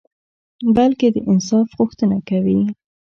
بلکي د انصاف غوښته کوي